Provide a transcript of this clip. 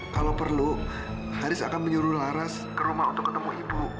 kalau perlu haris akan menyuruh laras ke rumah untuk ketemu ibu